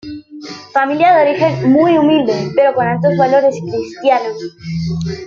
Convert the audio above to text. Familia de origen muy humilde, pero con altos valores Cristianos.